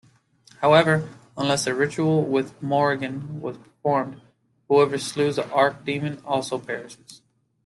However, unless the ritual with Morrigan was performed, whoever slews the Archdemon also perishes.